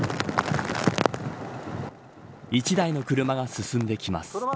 １台の車が進んできます。